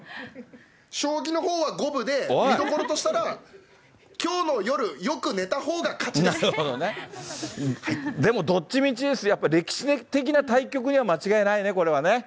将棋のほうは五分で、見どころとしたら、きょうの夜、よく寝たほでもどっちみち、やっぱり、歴史的な対局には間違いないね、これはね。